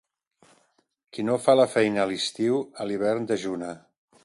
Qui no fa la feina a l'estiu, a l'hivern dejuna.